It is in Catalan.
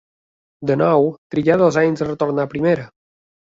De nou trigà dos anys a retornar a primera.